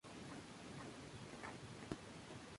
Al final sería el campeón.